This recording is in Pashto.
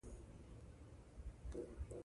بوتل د بېرته کارونې وړ وي.